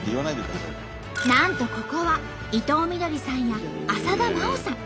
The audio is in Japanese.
なんとここは伊藤みどりさんや浅田真央さん